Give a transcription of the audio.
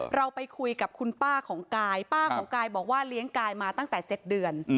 เราไปคุยกับคุณป้าของกายป้าของกายบอกว่าเลี้ยงกายมาตั้งแต่๗เดือน